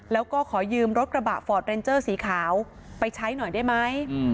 แล้วก็ขอยืมรถกระบะฟอร์ดเรนเจอร์สีขาวไปใช้หน่อยได้ไหม